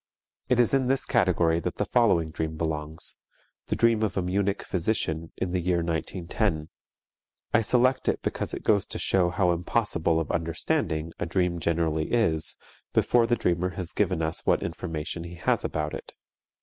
It is in this category that the following dream belongs, the dream of a Munich physician in the year 1910. I select it because it goes to show how impossible of understanding a dream generally is before the dreamer has given us what information he has about it.